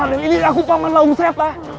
raden ini aku paman laung seta